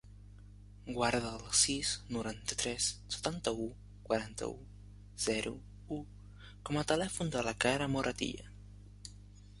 Guarda el sis, noranta-tres, setanta-u, quaranta-u, zero, u com a telèfon de la Kala Moratilla.